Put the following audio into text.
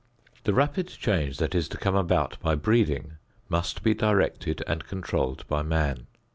The rapid change that is to come about by breeding must be directed and controlled by man.